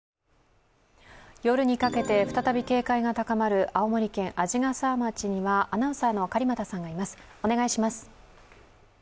夜にかけて再び警戒が高まる青森県鰺ヶ沢町には、アナウンサーの狩股さんがいます。